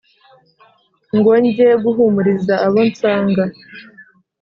ngo njye guhumuriza abo nsanga